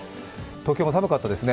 東京も寒かったですね。